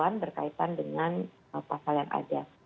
dan berkaitan dengan pasal yang ada